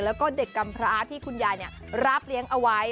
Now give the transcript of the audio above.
แล้วก็เด็กกำพระที่คุณยายรับเลี้ยงเอาไว้